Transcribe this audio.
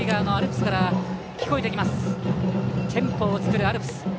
テンポを作るアルプス。